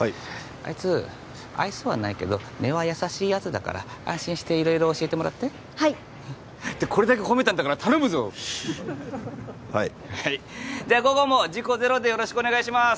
あいつ愛想はないけど根は優しいやつだから安心して色々教えてもらってはいってこれだけ褒めたんだから頼むぞはいはいでは午後も事故ゼロでよろしくお願いします